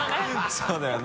そうよね。